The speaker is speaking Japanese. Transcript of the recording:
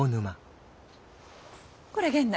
これ源内。